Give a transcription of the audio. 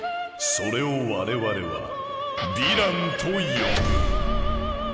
それを我々は「ヴィラン」と呼ぶ。